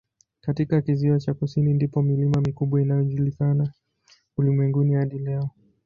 Katika kizio cha kusini ndipo milima mikubwa inayojulikana ulimwenguni hadi leo.